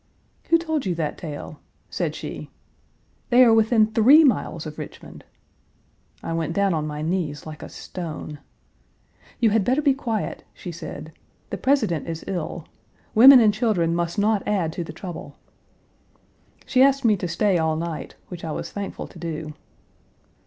"Who told you that tale?" said she. "They are within three miles of Richmond!" I went down on my knees like a stone. "You had better be quiet," she said. "The President is ill. Women and children must not add to the trouble." She asked me to stay all night, which I was thankful to do.